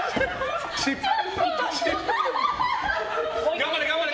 頑張れ、頑張れ！